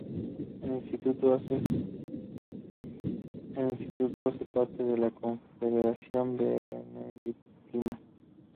El instituto hace parte de la Confederación Benedictina.